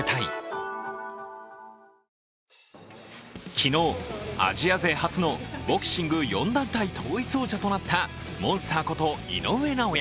昨日、アジア勢初のボクシング４団体統一王者となったモンスターこと、井上尚弥。